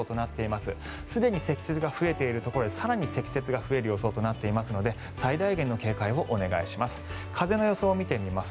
すでに積雪が増えているところで更に積雪が増える予想となっていますので最大限の警戒をお願いします。